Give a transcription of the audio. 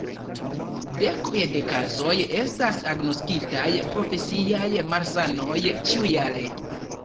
Dekoj de kazoj estas agnoskitaj profesiaj malsanoj ĉiujare.